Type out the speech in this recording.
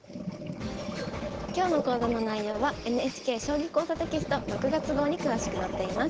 今日の講座の内容はＮＨＫ「将棋講座」テキスト６月号に詳しく載っています。